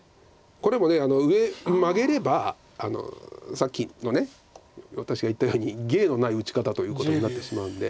これも上マゲればさっきの私が言ったように芸のない打ち方ということになってしまうので。